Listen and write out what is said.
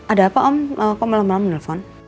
ada apa om kok malam malam nelfon